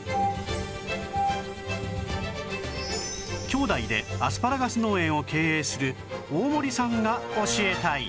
兄弟でアスパラガス農園を経営する大森さんが教えたい